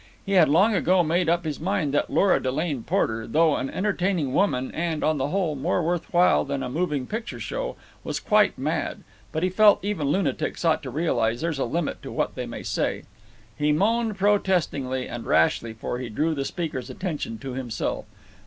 He had long ago made up his mind that Lora Delane Porter, though an entertaining woman and, on the whole, more worth while than a moving picture show, was quite mad; but, he felt, even lunatics ought to realize that there is a limit to what they may say. He moaned protestingly, and rashly, for he drew the speaker's attention upon himself.